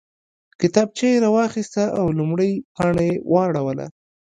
کتابچه یې راواخیسته او لومړۍ پاڼه یې واړوله